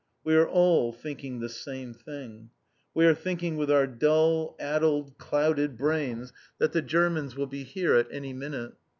We are all thinking the same thing. We are thinking with our dull, addled, clouded brains that the Germans will be here at any minute.